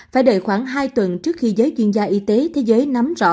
phải đợi khoảng hai tuần trước khi giới chuyên gia y tế thế giới nắm rõ